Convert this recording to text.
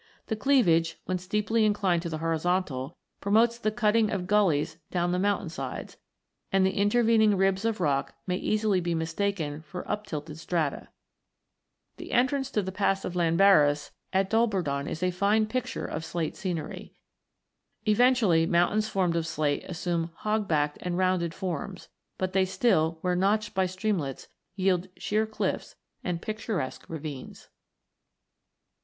The cleavage, when steeply inclined to the horizontal, promotes the cutting of gullies down the mountain sides, and the intervening ribs of rock may easily be mistaken for uptilted strata. The entrance to the Pass of Llanberis at Dolbadarn is a fine picture of slate scenery. Eventually, mountains formed of slate assume hog backed and rounded forms, but they still, where notched by streamlets, yield sheer cliffs and picturesque ravines.